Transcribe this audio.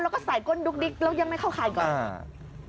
แล้วก็ใส่ก้นดุ๊กดิ๊กแล้วยังไม่เข้าข่ายก่อน